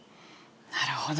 なるほど。